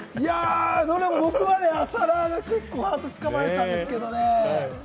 僕は朝ラーが結構ハート掴まれたんですけどね。